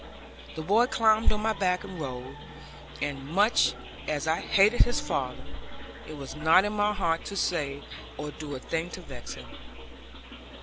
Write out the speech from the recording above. The boy climbed on my back and rode; and much as I hated his father, it was not in my heart to say or do a thing to vex him.